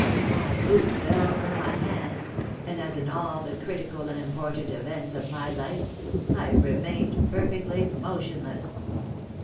My boot fell from my hands, and, as in all the critical and important events of my life, I remained perfectly motionless.